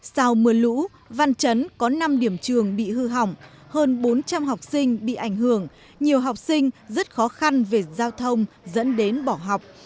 sau mưa lũ văn chấn có năm điểm trường bị hư hỏng hơn bốn trăm linh học sinh bị ảnh hưởng nhiều học sinh rất khó khăn về giao thông dẫn đến bỏ học